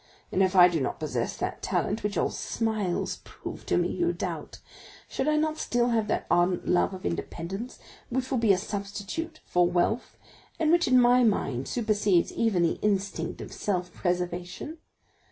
And if I do not possess that talent, which your smiles prove to me you doubt, should I not still have that ardent love of independence, which will be a substitute for wealth, and which in my mind supersedes even the instinct of self preservation?